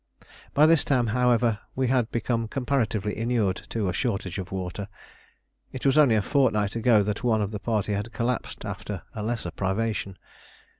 By this time, however, we had become comparatively inured to a shortage of water. It was only a fortnight ago that one of the party had collapsed after a lesser privation.